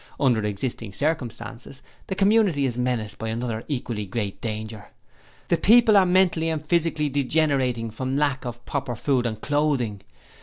Under existing circumstances the community is menaced by another equally great danger the people are mentally and physically degenerating from lack of proper food and clothing.